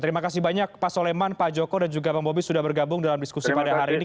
terima kasih banyak pak soleman pak joko dan juga bang bobi sudah bergabung dalam diskusi pada hari ini